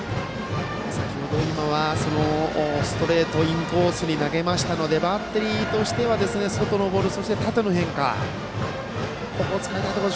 先程、ストレートをインコースに投げましたのでバッテリーは、外のボールそして縦の変化を使いたいところ。